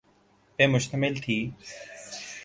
پہ مشتمل تھی۔